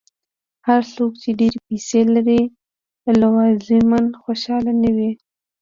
هر څوک چې ډېرې پیسې لري، لزوماً خوشاله نه وي.